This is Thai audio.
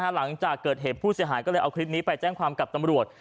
หลังจากเกิดเหตุผู้เสียหายก็เลยเอาคลิปนี้ไปแจ้งความกับตำรวจ